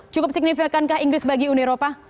cukup signifikankah inggris bagi uni eropa